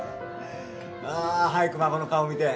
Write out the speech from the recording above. あー早く孫の顔見てえ